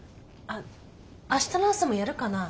あ明日の朝もやるかな。